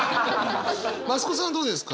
増子さんはどうですか？